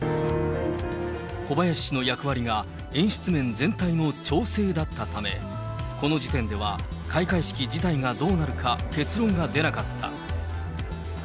小林氏の役割が、演出面全体の調整だったため、この時点では開会式自体がどうなるか結論が出なかった。